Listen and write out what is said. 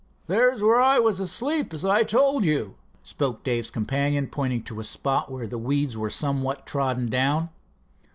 "There's where I was asleep, as I told you," spoke Dave's companion, pointing to a spot where the weeds were somewhat trodden down.